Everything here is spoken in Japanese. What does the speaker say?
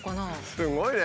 すごいね！